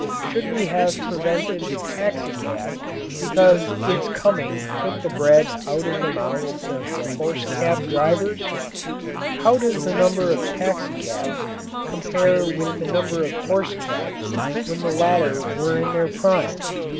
Should we have prevented the taxicab because its coming took the bread out of the mouths of the horse cab drivers? How does the number of taxicabs compare with the number of horse cabs when the latter were in their prime?